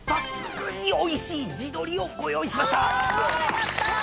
やった！